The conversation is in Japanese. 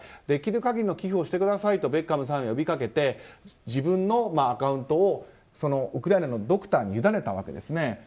できる限りの寄付をしてくださいとベッカムさんが呼び掛けて自分のアカウントをウクライナのドクターにゆだねたわけですね。